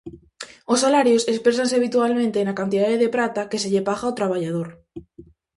Os salarios exprésanse habitualmente na cantidade de prata que se paga ao traballador.